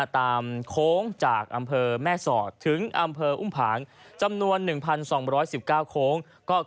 โค้งจากอำเภอแม่สอดถึงอำเภออุ้มผางจำนวน๑๒๑๙โค้ง